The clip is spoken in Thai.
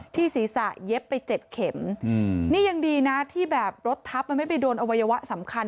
ศีรษะเย็บไปเจ็ดเข็มนี่ยังดีนะที่แบบรถทับมันไม่ไปโดนอวัยวะสำคัญ